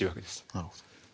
なるほど。